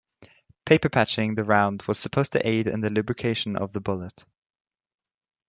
Paper patching the round was supposed to aid in the lubrication of the bullet.